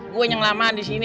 gua nyenglama disini